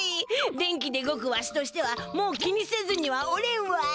電気で動くわしとしてはもう気にせずにはおれんわい！